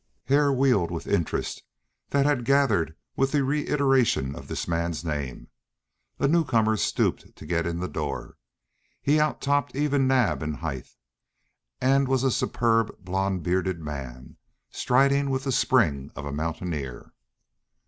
Hare wheeled with the interest that had gathered with the reiteration of this man's name. A new comer stooped to get in the door. He out topped even Naab in height, and was a superb blond bearded man, striding with the spring of a mountaineer.